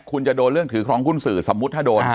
คุณจะโดนเรื่องถือครองหุ้นสื่อสมมุติถ้าโดน